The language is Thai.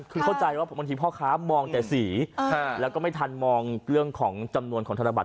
คือเข้าใจว่าบางทีพ่อค้ามองแต่สีแล้วก็ไม่ทันมองเรื่องของจำนวนของธนบัต